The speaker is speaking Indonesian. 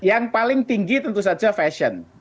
yang paling tinggi tentu saja fashion